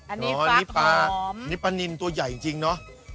อันนี้ปลานี่ปลานินตัวใหญ่จริงเนอะ